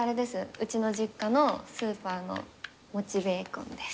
うちの実家のスーパーのもちベーコンです。